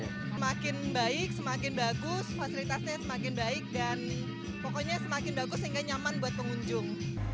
semakin baik semakin bagus fasilitasnya semakin baik dan pokoknya semakin bagus sehingga nyaman buat pengunjung